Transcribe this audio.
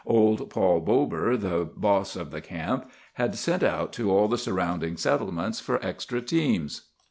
Old Paul Bober, the boss of the camp, had sent out to all the surrounding settlements for extra teams.